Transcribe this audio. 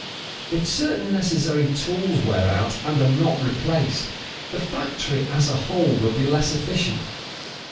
If certain necessary tools wear out and are not replaced, the factory as a whole will be less efficient.